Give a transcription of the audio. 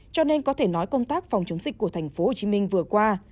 cho nên có thể nói công tác phòng chống dịch của thành phố hồ chí minh vừa qua